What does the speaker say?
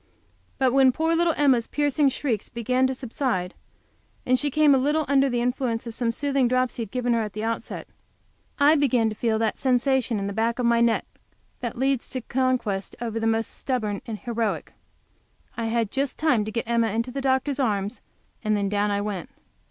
But when poor little Emma's piercing shrieks began to subside, and she came a little under the influence of some soothing drops he had given her at the outset, I began to feel that sensation in the back of my neck that leads to conquest over the most stubborn and the most heroic. I had just time to get Emma into the doctor's arms, and then down I went.